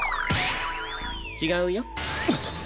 違うよ。